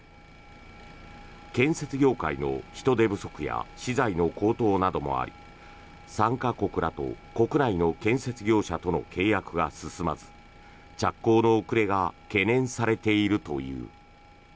建設業界の人手不足や資材の高騰などもあり参加国らと国内の建設業者との契約が進まず着工の遅れが懸念されているという。